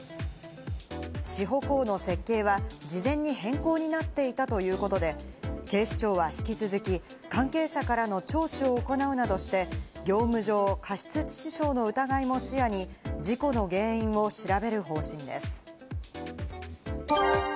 支保工の設計は事前に変更になっていたということで、警視庁は引き続き、関係者からの聴取を行うなどして、業務上過失致死傷の疑いも視野に事故の原因を調べる方針です。